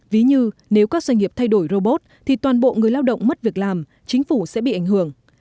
ví như nếu các doanh nghiệp thay đổi robot thì toàn bộ người lao động mất việc làm chính phủ sẽ bị ảnh hưởng